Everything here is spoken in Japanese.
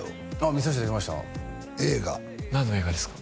見させていただきました映画何の映画ですか？